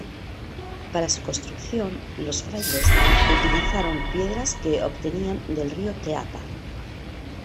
Para su construcción los frailes utilizaron piedras que obtenían del río Teapa.